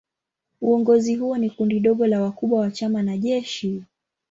Uongozi huo ni kundi dogo la wakubwa wa chama na jeshi.